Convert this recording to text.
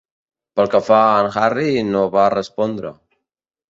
Pel que fa a en Harry, no va respondre.